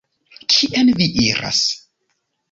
Kien vi iras?